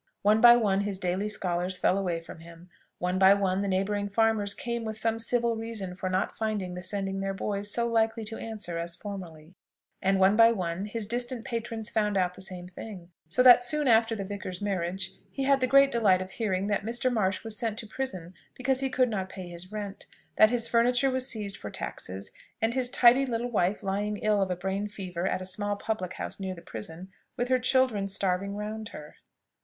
One by one his daily scholars fell away from him, one by one the neighbouring farmers came with some civil reason for not finding the sending their boys so likely to answer as formerly; and one by one his distant patrons found out the same thing: so that soon after the vicar's marriage he had the great delight of hearing that Mr. Marsh was sent to prison because he could not pay his rent, that his furniture was seized for taxes, and his tidy little wife lying ill of a brain fever at a small public house near the prison, with her children starving round her.